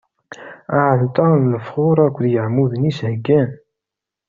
Aɛalṭar n lebxuṛ akked yeɛmuden-is heggan.